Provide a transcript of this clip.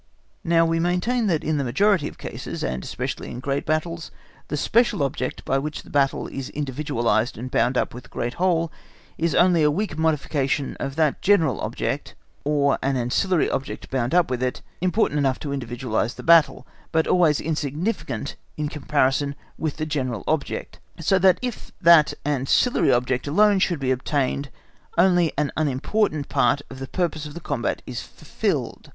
Now we maintain that in the majority of cases, and especially in great battles, the special object by which the battle is individualised and bound up with the great whole is only a weak modification of that general object, or an ancillary object bound up with it, important enough to individualise the battle, but always insignificant in comparison with that general object; so that if that ancillary object alone should be obtained, only an unimportant part of the purpose of the combat is fulfilled.